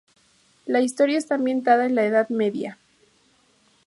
La historia está ambientada en la Edad Media.